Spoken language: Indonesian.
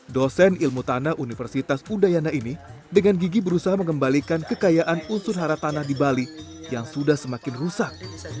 dosen ilmu tanah universitas udayana ini dengan gigi berusaha mengembalikan kekayaan unsur hara tanah di bali yang sudah semakin rusak